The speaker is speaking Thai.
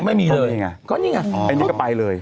ไม่มีเลยไงก็นี่ไงอันนี้ก็ไปเลย